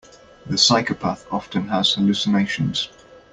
The psychopath often has hallucinations.